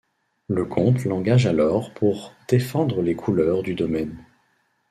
Le comte l'engage alors pour défendre les couleurs du domaine.